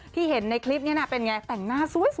พี่เห็นในคลิปนี้เป็นอย่างไรแต่งหน้าสวย